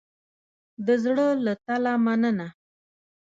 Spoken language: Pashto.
د زړه له تله مننه